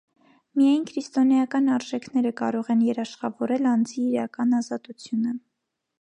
Միայն քրիստոնեական արժեքները կարող են երաշխավորել անձի իրական ազատությունը։